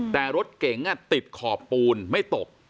แต่รถเก๋งติดขอบปูนไม่ตก